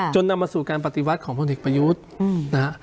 จนนำมาสู่การปฏิวัติของพลลิกประยุทธ์